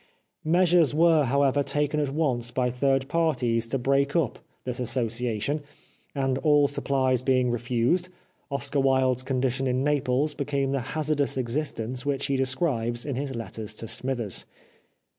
Measures were, however, taken at once by third parties to break up this association, and, all supphes being refused, Oscar Wilde's con dition in Naples became the hazardous existence which he describes in his letters to Smithers.